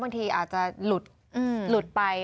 บางทีอาจลุดไป